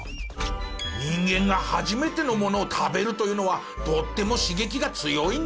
人間が初めてのものを食べるというのはとっても刺激が強いんですね。